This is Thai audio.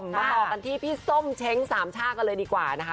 ต่อกันที่พี่ส้มเช้งสามชาติกันเลยดีกว่านะคะ